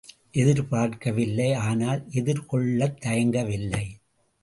எதிர்பார்க்கவில்லை ஆனால் எதிர் கொள்ளத்தயங்க வில்லை.